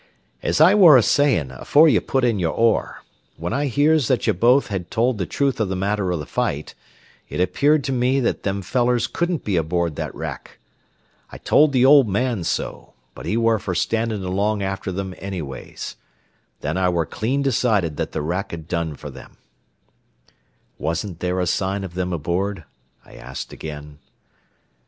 "As I ware a sayin' afore ye put in your oar, when I hears that ye both had told the truth o' the matter o' the fight, it appeared to me that them fellers couldn't be aboard that wrack. I told the old man so, but he ware fer standin' along after them anyways. Then I ware clean decided that the wrack had done fer them." "Wasn't there a sign of them aboard?" I asked again.